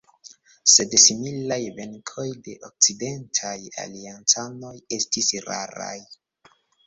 Sed similaj venkoj de okcidentaj aliancanoj estis raraj.